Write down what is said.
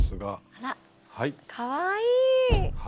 あらかわいい！